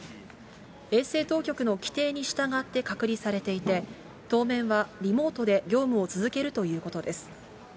衛生当局の規定に従って隔離されていて、当面はリモートで業務を続けるということです。